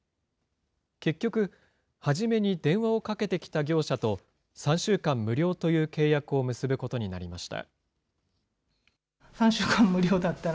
結局、初めに電話をかけてきた業者と、３週間無料という契約を結ぶことになりました。